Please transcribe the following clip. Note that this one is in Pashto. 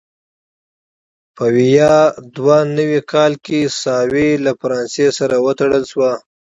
په ویا دوه نوي کال کې ساوې له فرانسې سره وتړل شوه.